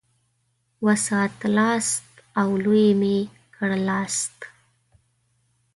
وساتلاست او لوی مي کړلاست.